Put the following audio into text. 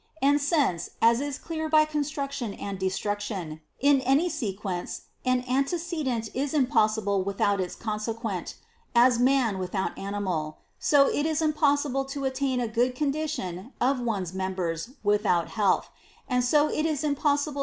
And since, as is clear by construction and destruction,^ in any sequence an antecedent is impossible without its consequent (as " man " without " animal "), so it is impossible to attain a good condition of one's members without health ; and so it is impQ§siit)le.